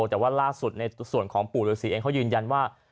แต่ว่าล่าสุดในส่วนของปู่ฤษีเองเขายืนยันว่า